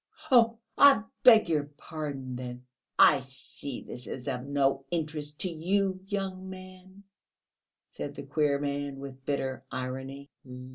Oh ... I beg your pardon, then...." "I see this is of no interest to you, young man," said the queer man, with bitter irony.